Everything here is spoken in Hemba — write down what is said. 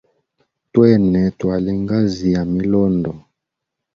Twene twalie ngazi ya milondo.